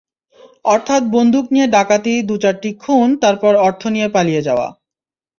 অর্থাৎ বন্দুক নিয়ে ডাকাতি, দু-চারটি খুন, তারপর অর্থ নিয়ে পালিয়ে যাওয়া।